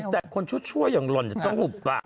แต่คนชั่วอย่างหล่นจะต้องหุบ